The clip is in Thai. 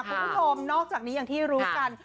พรุ่งโทมนอกจากนี้อย่างที่รู้สัน